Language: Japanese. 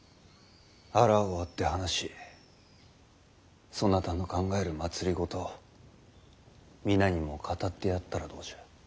腹を割って話しそなたの考える政を皆にも語ってやったらどうじゃ。